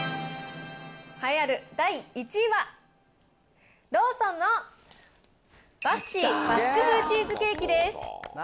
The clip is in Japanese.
栄えある第１位は、ローソンのバスチーバスク風チーズケーキです。